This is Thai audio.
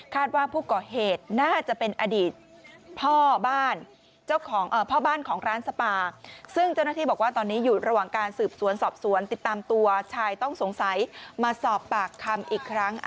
ว่าผู้ก่อเหตุน่าจะเป็นอดีตพ่อบ้านเจ้าของพ่อบ้านของร้านสปาซึ่งเจ้าหน้าที่บอกว่าตอนนี้อยู่ระหว่างการสืบสวนสอบสวนติดตามตัวชายต้องสงสัยมาสอบปากคำอีกครั้ง